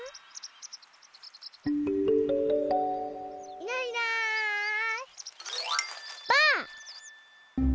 いないいないばあっ！